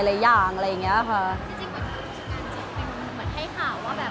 คือบอกเลยว่าเป็นครั้งแรกในชีวิตจิ๊บนะ